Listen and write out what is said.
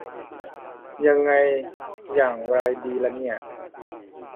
ยังไงอย่างไรดีละเนี่ย